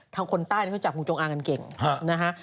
คนใต้เขาจับงูจงอางกันเก่งนะฮะ